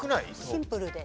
シンプルで。